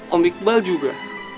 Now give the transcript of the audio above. om iqbal juga